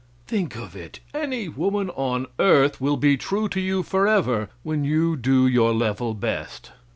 Think of it! Any woman on earth will be true to you forever when you do your level best.